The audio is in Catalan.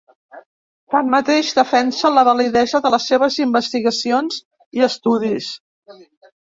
Tanmateix, defensa la validesa de les seves investigacions i estudis.